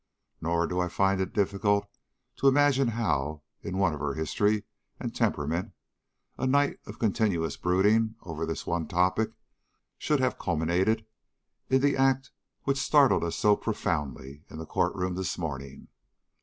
Nor do I find it difficult to imagine how, in one of her history and temperament, a night of continuous brooding over this one topic should have culminated in the act which startled us so profoundly in the court room this morning.